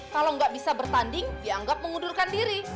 kalau nggak bisa bertanding dianggap mengundurkan diri